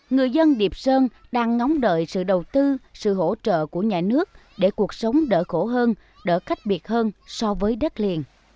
người dân điệp sơn đang ngóng đợi sự đầu tư sự hỗ trợ của nhà nước để cuộc sống đỡ khổ hơn đỡ cách biệt hơn so với đất liền